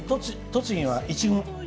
栃木はイチゴ？